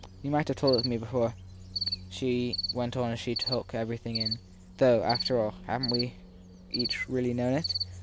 You might have told me before, she went on as she took everything in; though, after all, haven t we each really known it